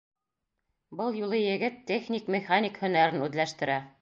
Был юлы егет техник-механик һөнәрен үҙләштерә.